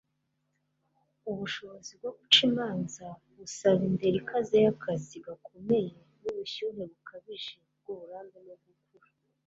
ubushobozi bwo guca imanza busaba indero ikaze y'akazi gakomeye n'ubushyuhe bukabije bw'uburambe no gukura